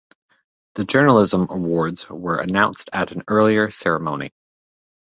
The journalism awards were announced at an earlier ceremony.